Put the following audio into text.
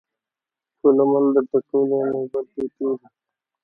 څــــو لمـــن در ټولـــوې نوبت دې تېر وي.